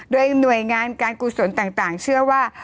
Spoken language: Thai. โดยหน่วยงานการกุศลต่างเชื่อว่า